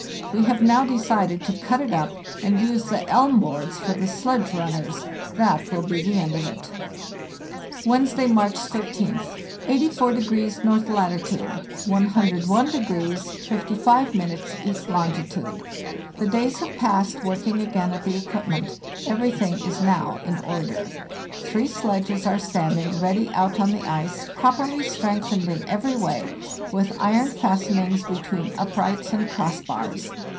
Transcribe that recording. We have now decided to cut it up and use the elm boards for the sledge runners. That will be the end of it. "Wednesday, March 13th. 84° north latitude, 101° 110 FARTHEST NORTH 55 east longitude. The days have passed, working again at the equipment. Everything is now in order. Three sledges are standing ready out on the ice, properly strengthened in every way, with iron fastenings between uprights and crossbars.